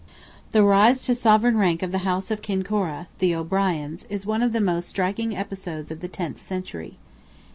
The rise to sovereign rank of the house of Kincorra (the O'Briens), is one of the most striking episodes of the tenth century.